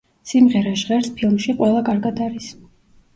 სიმღერა ჟღერს ფილმში „ყველა კარგად არის“.